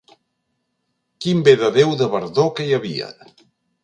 Quin bé de déu de verdor que hi havia!